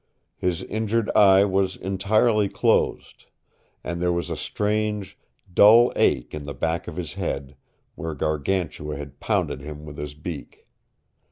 His injured eye was entirely closed, and there was a strange, dull ache in the back of his head, where Gargantua had pounded him with his beak.